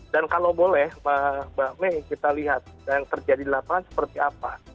dan kalau boleh mbak may kita lihat yang terjadi di lapangan seperti apa